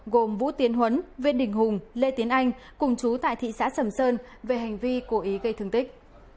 gồm vũ tiến huấn viên đình hùng lê tiến anh cùng chú tại thị xã sầm sơn về hành vi cố ý gây thương tích